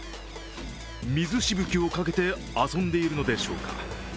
水しぶきをかけて遊んでいるのでしょうか。